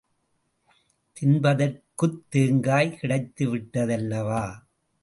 தின்பதற்குத் தேங்காய் கிடைத்துவிட்டதல்லவா?